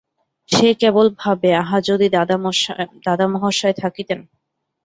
সে কেবল ভাবে, আহা যদি দাদামহাশয় থাকিতেন!